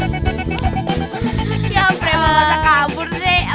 ampere kecil aja